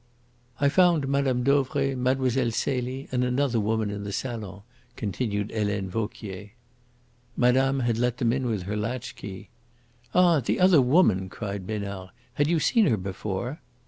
"I found Mme. Dauvray, Mlle. Celie, and another woman in the salon," continued Helene Vauquier. "Madame had let them in with her latchkey." "Ah, the other woman!" cried Besnard. "Had you seen her before?"